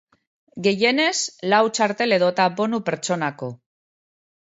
Gehienez lau txartel edota bonu pertsonako.